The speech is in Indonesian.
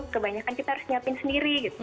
kebanyakan kita harus nyiapin sendiri gitu